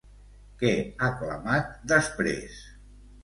Què ha clamat, després?